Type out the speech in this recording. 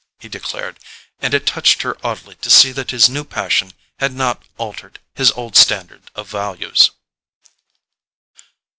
he declared; and it touched her oddly to see that his new passion had not altered his old standard of values.